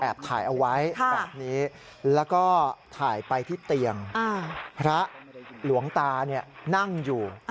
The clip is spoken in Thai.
ถ่ายเอาไว้แบบนี้แล้วก็ถ่ายไปที่เตียงพระหลวงตานั่งอยู่